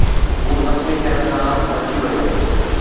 هو زخمي ٿيڻ کان بچي ويو